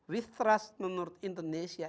with trust menurut indonesia